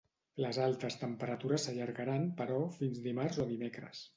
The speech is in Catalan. Les altes temperatures s’allargaran, però, fins dimarts o dimecres.